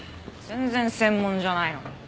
全然専門じゃないのに。